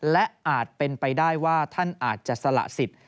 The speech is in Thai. และอาจเป็นไปได้ว่าท่านอาจจะสละสิทธิ์